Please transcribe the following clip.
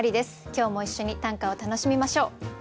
今日も一緒に短歌を楽しみましょう。